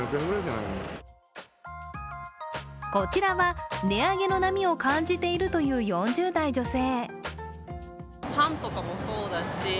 こちらは値上げの波を感じているという４０代女性。